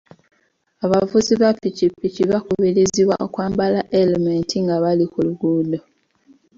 Abavuzi ba piki piki bakubirizibwa okwambala elementi nga bali ku luguudo